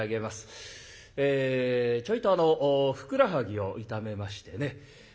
ちょいとあのふくらはぎを痛めましてね